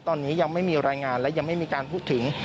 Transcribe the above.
ตอนนี้ยังไม่มีรายงานและยังไม่มีการพูดถึง